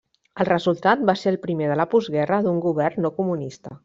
El resultat va ser el primer de la postguerra d'un govern no comunista.